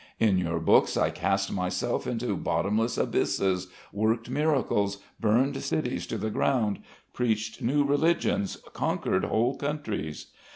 In your books I cast myself into bottomless abysses, worked miracles, burned cities to the ground, preached new religions, conquered whole countries....